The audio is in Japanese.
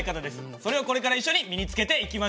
それをこれから一緒に身につけていきましょう。